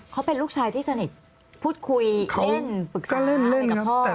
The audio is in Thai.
เขาเป็นลูกชายที่สนิทพูดคุยเล่นปรึกษาเรื่องกับพ่อ